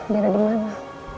dia ada di mana